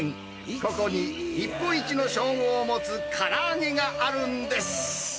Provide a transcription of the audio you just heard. ここに日本一の称号を持つから揚げがあるんです。